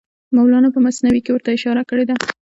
مولانا په مثنوي کې ورته اشاره کړې ده.